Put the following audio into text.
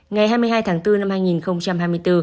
ngày hai mươi hai tháng bốn năm hai nghìn hai mươi bốn